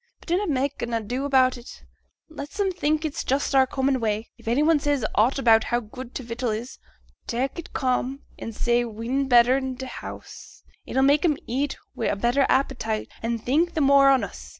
But dunnot mak' an ado about it, let 'em think it's just our common way. If any one says aught about how good t' vittle is, tak' it calm, and say we'n better i' t' house, it'll mak' 'em eat wi' a better appetite, and think the more on us.